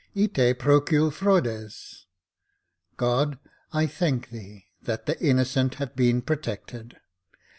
Iteproculfraudes. God, I thank thee, that the innocent have been protected.